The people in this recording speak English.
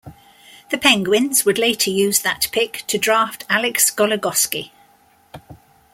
The Penguins would later use that pick to draft Alex Goligoski.